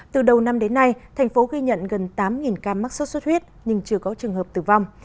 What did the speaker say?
từ đầu năm đến nay thành phố ghi nhận gần tám ca mắc sốt xuất huyết nhưng chưa có trường hợp tử vong